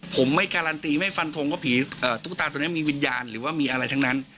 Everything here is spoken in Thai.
ผมไม่การันตีไม่ฟันทงว่าผีตุ๊กตาตัวนี้มีวิญญาณหรือว่ามีอะไรทั้งนั้น